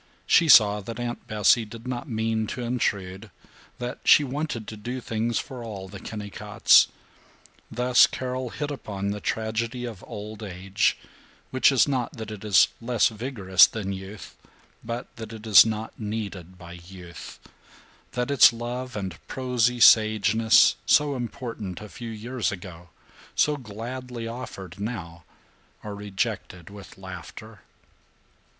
She saw that Aunt Bessie did not mean to intrude; that she wanted to do things for all the Kennicotts. Thus Carol hit upon the tragedy of old age, which is not that it is less vigorous than youth, but that it is not needed by youth; that its love and prosy sageness, so important a few years ago, so gladly offered now, are rejected with laughter.